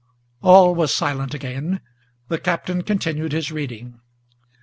All was silent again; the Captain continued his reading.